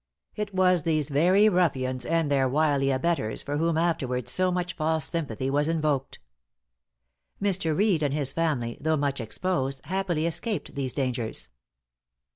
It was these very ruffians, and their wily abettors, for whom afterwards so much false sympathy was invoked. Mr. Reed and his family, though much exposed, happily escaped these dangers.